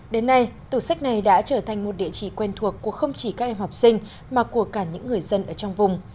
đến nay tủ sách này đã trở thành một địa chỉ quen thuộc của không chỉ các em học sinh mà của cả những người dân ở trong vùng